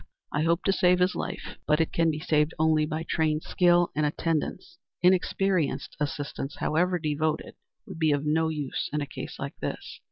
I hope to save his life, but it can be saved only by trained skill and attendance. Inexperienced assistance, however devoted, would be of no use in a case like this."